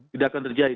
tidak akan terjadi